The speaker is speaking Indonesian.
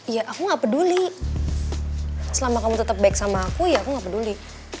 ya aku gak peduli selama kamu tetap baik sama aku ya aku gak peduli